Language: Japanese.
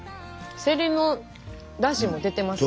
せりのだしも出てますね。